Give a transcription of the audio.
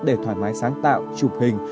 để thoải mái sáng tạo chụp hình